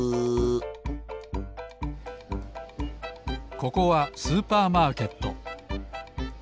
ここはスーパーマーケット。